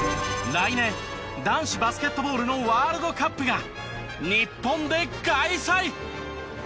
来年男子バスケットボールのワールドカップが日本で開催！